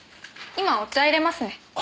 今お茶いれますね。